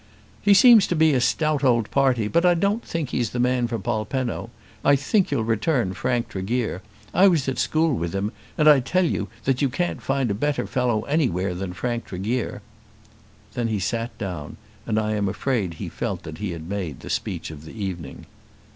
"He seems to be a stout old party, but I don't think he's the man for Polpenno. I think you'll return Frank Tregear. I was at school with him; and I tell you, that you can't find a better fellow anywhere than Frank Tregear." Then he sat down, and I am afraid he felt that he had made the speech of the evening.